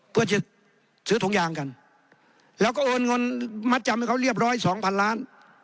เพื่อจะซื้อถุงยางกันแล้วก็โอนเงินมัดจำให้เขาเรียบร้อยสองพันล้าน